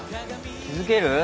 気付ける？